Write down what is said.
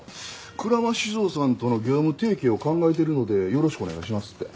鞍馬酒造さんとの業務提携を考えてるのでよろしくお願いしますって。